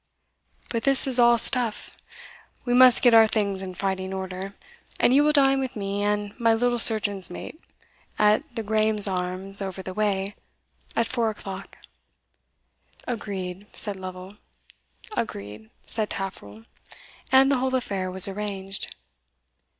But this is all stuff; we must get our things in fighting order, and you will dine with me and my little surgeon's mate, at the Graeme's Arms over the way, at four o'clock." "Agreed," said Lovel. "Agreed," said Taffril; and the whole affair was arranged.